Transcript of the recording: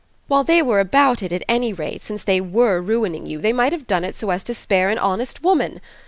While they were about it at any rate, since they WERE ruining you, they might have done it so as to spare an honest woman.